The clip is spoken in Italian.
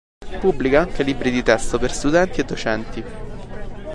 Pubblica anche libri di testo per studenti e docenti.